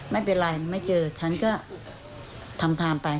ไม่เป็นไรไม่เจอฉันก็ทำไทม์ไป